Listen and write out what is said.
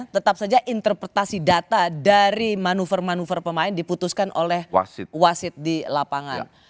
tetap saja interpretasi data dari manuver manuver pemain diputuskan oleh wasit di lapangan